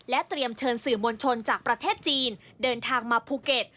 เตรียมเชิญสื่อมวลชนจากประเทศจีนเดินทางมาภูเก็ต